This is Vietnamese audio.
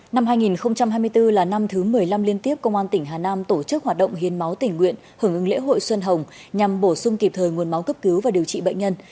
năm hai nghìn hai mươi bốn là năm thứ một mươi năm liên tiếp công an tỉnh hà nam tổ chức hoạt động hiến máu tỉnh nguyện hưởng ứng lễ hội xuân hồng nhằm bổ sung kịp thời nguồn máu cấp cứu và điều trị bệnh nhân